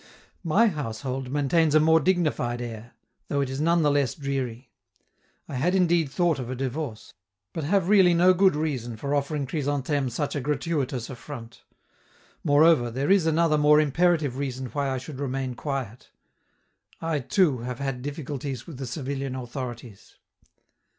My household maintains a more dignified air, though it is none the less dreary. I had indeed thought of a divorce, but have really no good reason for offering Chrysantheme such a gratuitous affront; moreover, there is another more imperative reason why I should remain quiet: I, too, have had difficulties with the civilian authorities.